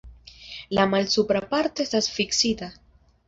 La malsupra parto estas fiksita.